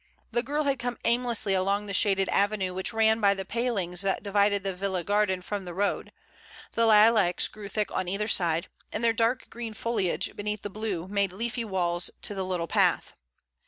The girl had come aimlessly along the shaded avenue which ran by the palings that divided the villa gar den from the road; the lilacs grew thick on either side, and their dark green foliage beneath the blue made leafy walls to the little path.